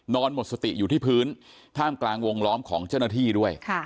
หมดสติอยู่ที่พื้นท่ามกลางวงล้อมของเจ้าหน้าที่ด้วย